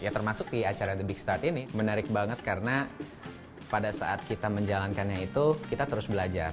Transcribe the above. ya termasuk di acara the big start ini menarik banget karena pada saat kita menjalankannya itu kita terus belajar